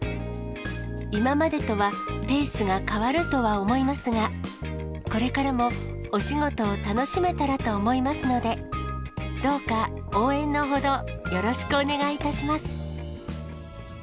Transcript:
今までとはペースが変わるとは思いますが、これからもお仕事を楽しめたらと思いますので、どうか応援のほど、よろしくお願いいたします。